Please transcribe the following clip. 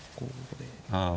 ああ。